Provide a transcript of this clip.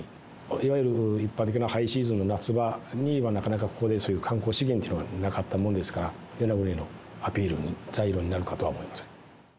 いわゆる一般的なハイシーズンの夏場には、なかなか観光資源っていうのはなかったもんですから、与那国のアピールの材料になるかとは思います。